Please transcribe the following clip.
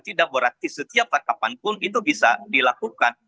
tidak berarti setiap kapanpun itu bisa dilakukan